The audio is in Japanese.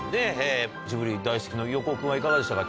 ジブリ大好きな横尾君はいかがでしたか？